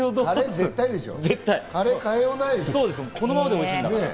絶対でしょう。